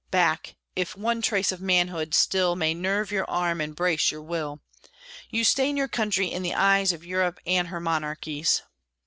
Back, if one trace of manhood still May nerve your arm and brace your will! You stain your country in the eyes Of Europe and her monarchies!